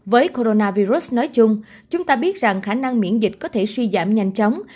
với coronavirus nói chung chúng ta biết rằng khả năng miễn dịch có thể suy giảm nhanh chóng